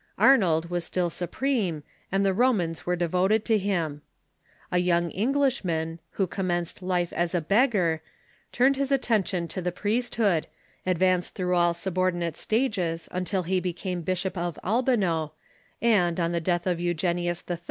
Arnold was still supreme, and the Romans were devoted to him. A young Englishman, who commenced life as a beggar, turned his attention to the priesthood, advanced through all subordinate stages until he became Bishop of Albano, and, on the death of Eugenius III.